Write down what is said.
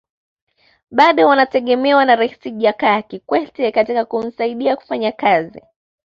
Bado wanategemewa na Rais Jakaya Kikwete katika kumsaidia kufanya kazi